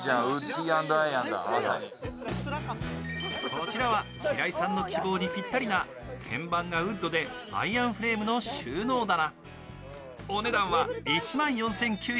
こちらは平井さんの希望にぴったりな天板がウッドでアイアンフレームの収納棚。